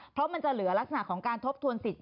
เพราะมันจะเหลือลักษณะของการทบทวนสิทธิ